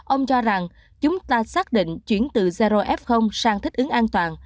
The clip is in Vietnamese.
ông cho rằng chúng ta xác định chuyển từ zrof sang thích ứng an toàn